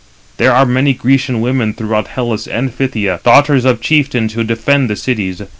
There are many Grecian women throughout Hellas and Phthia, daughters of chieftains who defend the cities.